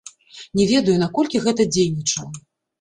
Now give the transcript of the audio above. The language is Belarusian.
Не ведаю, наколькі гэта дзейнічала.